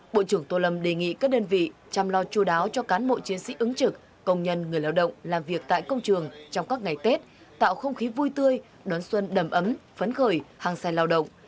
bộ trưởng tô lâm đề nghị các đơn vị chăm lo chú đáo cho cán bộ chiến sĩ ứng trực công nhân người lao động làm việc tại công trường trong các ngày tết tạo không khí vui tươi đón xuân đầm ấm phấn khởi hăng xài lao động